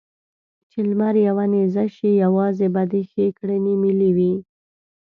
چې لمر يوه نېزه شي؛ يوازې به دې ښې کړنې ملې وي.